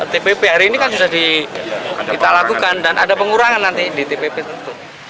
tpp hari ini kan sudah kita lakukan dan ada pengurangan nanti di tpp tentu